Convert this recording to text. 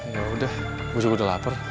yaudah gue juga udah lapar